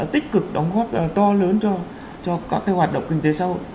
tích cực đóng góp to lớn cho các hoạt động kinh tế xã hội